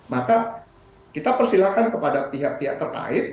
maka kita persilahkan kepada pihak pihak terkait